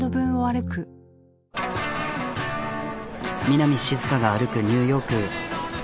南しずかが歩くニューヨーク。